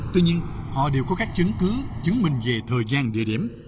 tuy nhiên họ đều có các chứng cứ chứng minh về thời gian địa điểm